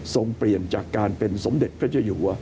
ส่งเปลี่ยนจากการเป็นสมเด็จพระเจ้าอยู่